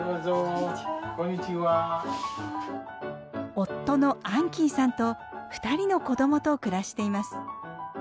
夫のアンキーさんと２人の子供と暮らしています。